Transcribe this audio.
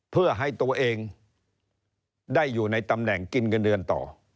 เพื่อให้ตัวเองได้อยู่ในตำแหน่งกินเงินเดือนต่อ